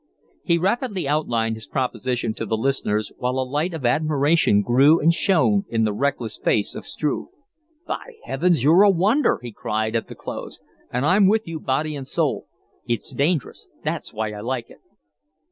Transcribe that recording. He rapidly outlined his proposition to the listeners, while a light of admiration grew and shone in the reckless face of Struve. "By heavens! you're a wonder!" he cried, at the close, "and I'm with you body and soul. It's dangerous that's why I like it."